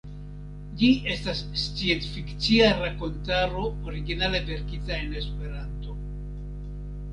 Ĝi estas sciencfikcia rakontaro originale verkita en Esperanto.